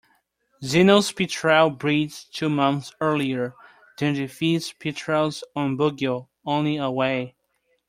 Zino's petrel breeds two months earlier than the Fea's petrel's on Bugio, only away.